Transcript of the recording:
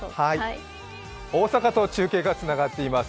大阪と中継がつながっています。